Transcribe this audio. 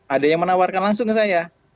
ada yang menawarkan langsung ke saya